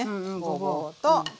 ごぼうと。